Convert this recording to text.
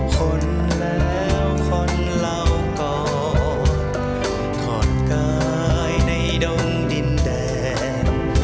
คนแล้วคนเราก็ถอดกายในดงดินแดง